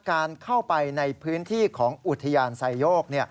การเข้าไปในพื้นที่ของอุทยานไซโยก